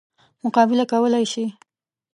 مقابله کولای شي.